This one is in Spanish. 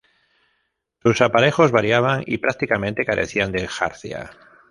Sus aparejos variaban y prácticamente carecían de jarcia.